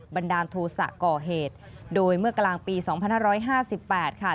บรรดาโทสะก่อเหตุโดยเมื่อกลางปีสองพันห้าร้อยห้าสิบแปดค่ะ